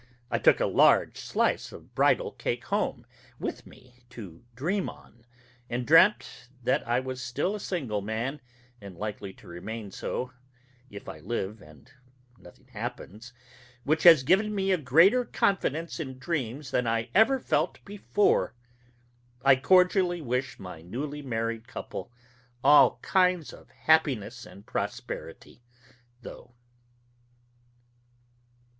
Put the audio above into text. I took a large slice of bridal cake home with me to dream on, and dreamt that I was still a single man, and likely to remain so, if I live and nothing happens which has given me a greater confidence in dreams than I ever felt before. I cordially wish my newly married couple all kinds of happiness and prosperity, though.